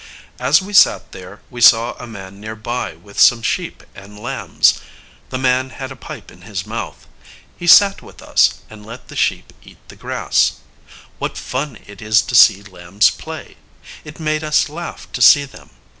As we sat there, we saw a man near by, with some sheep and lambs. The man had a pipe in his mouth. He sat with us, and let the sheep eat the grass. What fun it is to see lambs play! It made us laugh to see them.